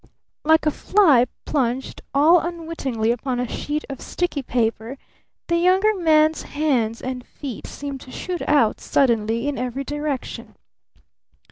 Like a fly plunged all unwittingly upon a sheet of sticky paper the Younger Man's hands and feet seemed to shoot out suddenly in every direction.